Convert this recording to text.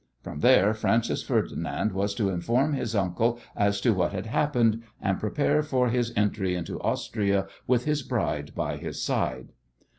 From there Francis Ferdinand was to inform his uncle as to what had happened, and prepare for his entry into Austria with his bride by his side.